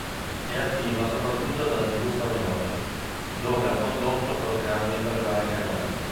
È attiva soprattutto nella tv spagnola, dove ha condotto programmi per vari canali.